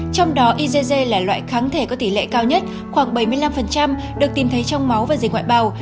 trong đó igg là loại kháng thể có tỷ lệ cao nhất khoảng bảy mươi năm được tìm thấy trong máu và dây quại bào